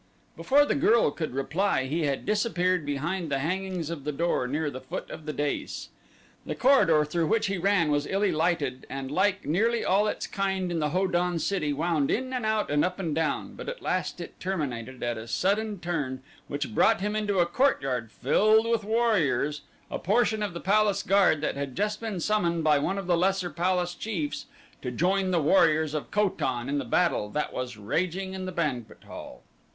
Before the girl could reply he had disappeared behind the hangings of the door near the foot of the dais. The corridor through which he ran was illy lighted and like nearly all its kind in the Ho don city wound in and out and up and down, but at last it terminated at a sudden turn which brought him into a courtyard filled with warriors, a portion of the palace guard that had just been summoned by one of the lesser palace chiefs to join the warriors of Ko tan in the battle that was raging in the banquet hall.